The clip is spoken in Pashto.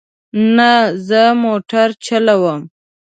نه، زه موټر چلوم